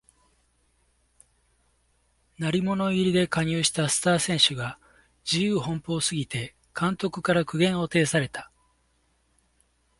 鳴り物入りで加入したスター選手が自由奔放すぎて監督から苦言を呈された